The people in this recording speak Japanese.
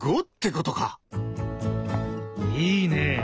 いいね。